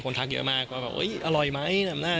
หมูยอดีกว่านะ